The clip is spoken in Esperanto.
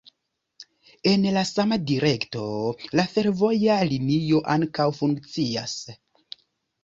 En la sama direkto, la fervoja linio ankaŭ funkcias.